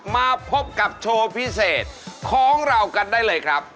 มาพบกับโชว์พิเศษของเรากันได้เลยครับ